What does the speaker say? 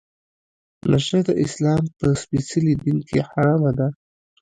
نشه د اسلام په سپیڅلي دین کې حرامه ده.